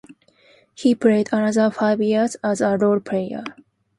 He played another five years as a role player.